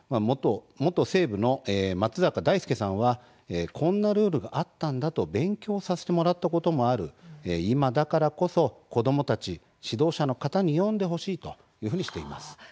元西武の松坂大輔さんはこんなルールがあったんだと勉強させてもらったこともある今だからこそ子どもたち指導者の方に読んでほしいとしています。